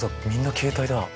みんな携帯だ。